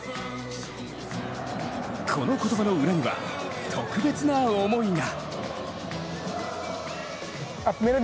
この言葉の裏には特別な思いが。